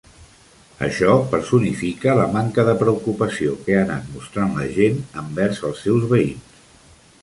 Això personifica la manca de preocupació que ha anat mostrant la gent envers els seus veïns.